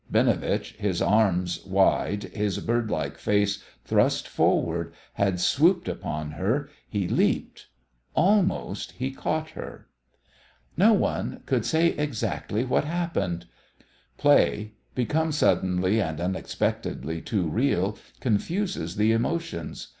Binovitch, his arms wide, his bird like face thrust forward, had swooped upon her. He leaped. Almost he caught her. No one could say exactly what happened. Play, become suddenly and unexpectedly too real, confuses the emotions.